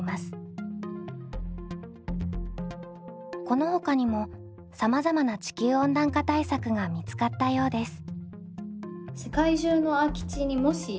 このほかにもさまざまな地球温暖化対策が見つかったようです。